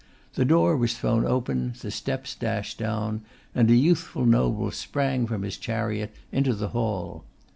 The door was thrown open, the steps dashed down, and a youthful noble sprang from his chariot into the hall.